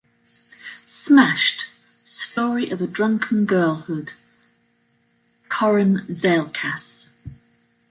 "Smashed: Story of a Drunken Girlhood", Koren Zailckas.